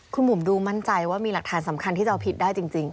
คุณบุ๋มดูมั่นใจว่ามีหลักฐานสำคัญที่จะเอาผิดได้จริง